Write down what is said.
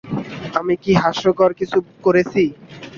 আমি কি হাস্যকর কিছু করেছি?